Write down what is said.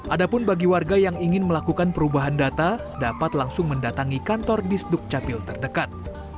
ada pun bagi warga yang ingin melakukan perubahan data dapat langsung mendatangi kantor di sdukcapil terdekat